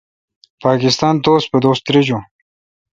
پاکستان دوس پہ دوس ترجون۔